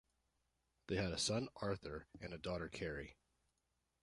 They had a son Arthur and a daughter Kerry.